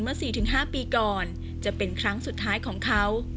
๔๕ปีก่อนจะเป็นครั้งสุดท้ายของเขา